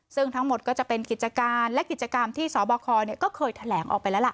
ซึ่งทั้งหมดก็จะเป็นกิจการและกิจกรรมที่สบคก็เคยแถลงออกไปแล้วล่ะ